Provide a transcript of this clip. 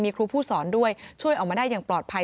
มีครูผู้สอนด้วยช่วยออกมาได้อย่างปลอดภัย